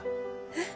えっ？